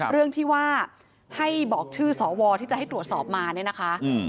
เรื่องที่ว่าให้บอกชื่อสวที่จะให้ตรวจสอบมาเนี่ยนะคะ